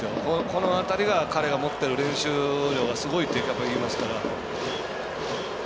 この辺りが彼が持ってる練習量はすごいって、いいますから。